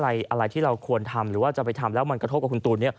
อะไรที่เราควรทำหรือว่าจะไปทำแล้วมันกระทบกับคุณตูน